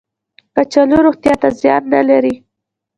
کچالو روغتیا ته زیان نه لري